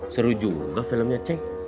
seru juga filmnya cenk